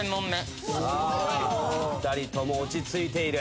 ２人とも落ち着いている。